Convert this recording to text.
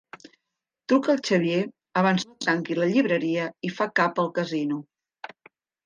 Truca al Xavier abans no tanqui la llibreria i fa cap al casino.